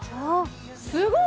すごい！